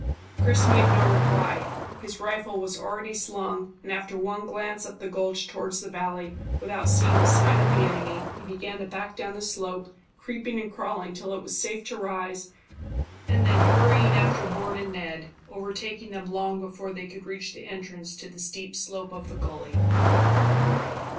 Chris made no reply. His rifle was already slung, and after one glance up the gulch towards the valley, without seeing a sign of the enemy, he began to back down the slope, creeping and crawling till it was safe to rise, and then hurrying after Bourne and Ned, overtaking them long before they could reach the entrance to the steep slope of the gully.